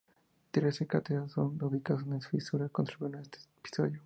Trece cráteres, todos ubicados en la fisura, contribuyeron a este episodio.